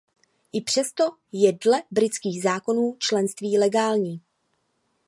I přesto je dle britských zákonů členství legální.